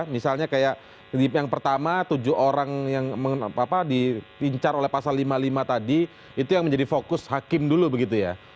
misalnya kayak yang pertama tujuh orang yang dipincar oleh pasal lima puluh lima tadi itu yang menjadi fokus hakim dulu begitu ya